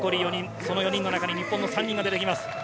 その４人の中に日本の３人が出てきます。